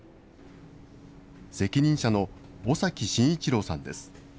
責任者の尾崎信一郎さんです。